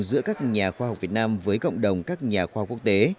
giữa các nhà khoa học việt nam với cộng đồng các nhà khoa quốc tế